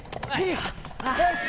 よし！